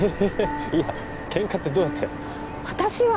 いやケンカってどうやって私は！